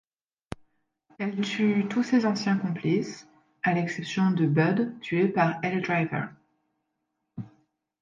Elle tue tous ses anciens complices, à l'exception de Budd tué par Elle Driver.